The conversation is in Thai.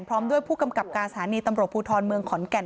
พร้อมด้วยผู้กำกับการสถานีตำรวจภูทรเมืองขอนแก่น